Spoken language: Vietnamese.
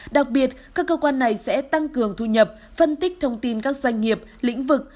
đặc biệt các cơ quan này sẽ tăng cường thu nhập phân tích thông tin các doanh nghiệp lĩnh vực